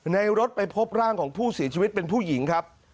รถไปพบร่างของผู้เสียชีวิตเป็นผู้หญิงครับ